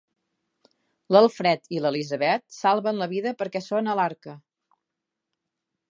L'Alfred i l'Elisabet salven la vida perquè són a l'Arca.